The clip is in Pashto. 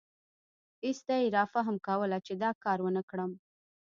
ایسته یې رافهم کوله چې دا کار ونکړم.